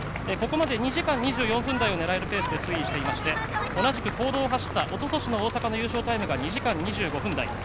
ここまで２時間２４分台を狙えるペースで推移していまして公道を走ったおととしの大阪の優勝タイムが２時間２５分台。